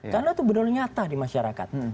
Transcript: karena itu benar benar nyata di masyarakat